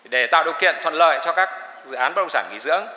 để tạo điều kiện thuận lợi cho các dự án bất động sản nghỉ dưỡng